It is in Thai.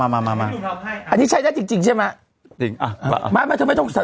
มาอันนี้ใช้ได้จริงใช่ไหมเอาละหลับตาผมพ่นให้